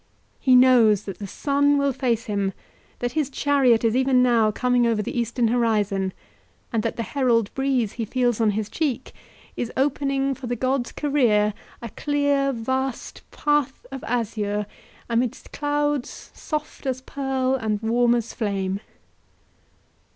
He knows that the sun will face him, that his chariot is even now coming over the eastern horizon, and that the herald breeze he feels on his cheek is opening for the god's career a clear, vast path of azure, amidst clouds soft as pearl and warm as flame.